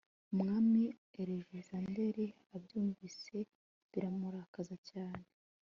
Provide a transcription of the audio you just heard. umwami alegisanderi abyumvise biramurakaza cyane